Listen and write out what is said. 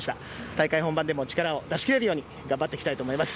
大会本番でも力を出し切れるように頑張っていきたいと思います。